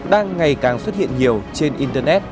đang ngày càng xuất hiện nhiều trên internet